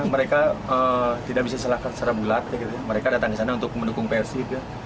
mereka tidak bisa selahkan secara bulat mereka datang di sana untuk mendukung persib